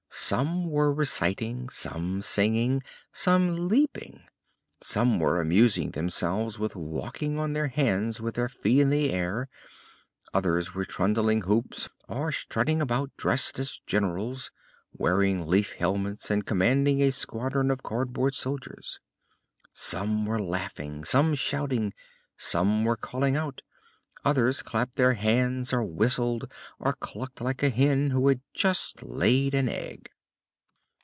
Some were reciting, some singing, some leaping. Some were amusing themselves with walking on their hands with their feet in the air; others were trundling hoops or strutting about dressed as generals, wearing leaf helmets and commanding a squadron of cardboard soldiers. Some were laughing, some shouting, some were calling out; others clapped their hands, or whistled, or clucked like a hen who has just laid an egg.